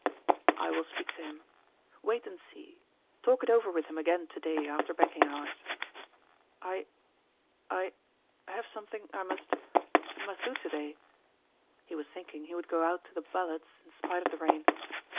"I will speak to him. Wait and see. Talk it over with him again to day after banking hours." "I I have something I must must do to day." He was thinking he would go out to the Ballards' in spite of the rain.